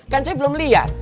kan saya belum lihat